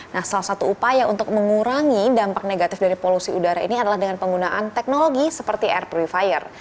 nah salah satu upaya untuk mengurangi dampak negatif dari polusi udara ini adalah dengan penggunaan teknologi seperti air purifier